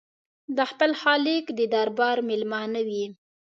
د خپل خالق د دربار مېلمانه وي.